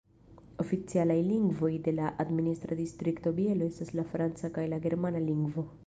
Oficialaj lingvoj de la administra distrikto Bielo estas la franca kaj la germana lingvo.